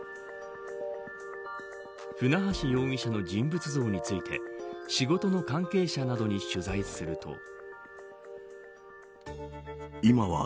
船橋容疑者の人物像について仕事の関係者などに取材すると。